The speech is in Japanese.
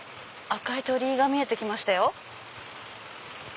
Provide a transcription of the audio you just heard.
赤い鳥居が見えて来ましたよ。